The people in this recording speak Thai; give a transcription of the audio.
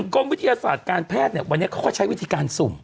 กรมวิทยาศาสตร์การแพทย์วันนี้เขาก็ใช้วิธีการสุ่ม